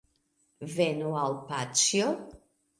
Venu al paĉjo